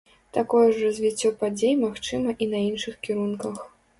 Такое ж развіццё падзей магчыма і на іншых кірунках.